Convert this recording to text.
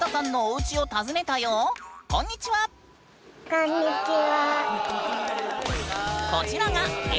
こんにちは。